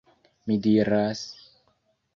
Mi diras..